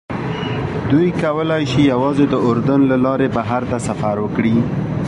دوی کولی شي یوازې د اردن له لارې بهر ته سفر وکړي.